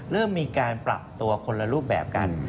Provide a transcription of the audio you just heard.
เริ่มมีการปรับตัวคนละรูปแบบกัน